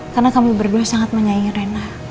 karena kami berdua sangat menyayangi rena